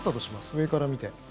上から見て。